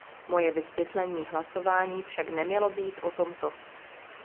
Moje vysvětlení hlasování však nemělo být o tomto.